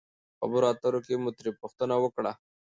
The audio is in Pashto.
خبرو اترو کښې مو ترې پوښتنه وکړه